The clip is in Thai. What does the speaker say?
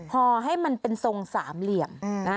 ห่อให้มันเป็นทรงสามเหลี่ยม